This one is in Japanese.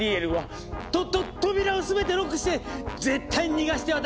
とと扉を全てロックして絶対逃がしてはダメよ！